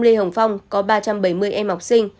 lê hồng phong có ba trăm bảy mươi em học sinh